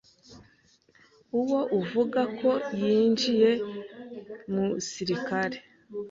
Uwo uvuga ko yinjiye mu sirikare